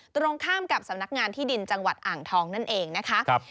ตรงข้ามกับสำนักงานที่ดินจังหวัดอ่างทองนั่นเองนะคะ